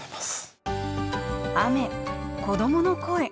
雨子どもの声。